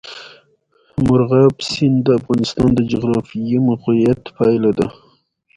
مورغاب سیند د افغانستان د جغرافیایي موقیعت پایله ده.